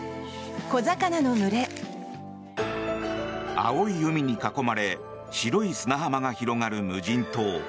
青い海に囲まれ白い砂浜が広がる無人島。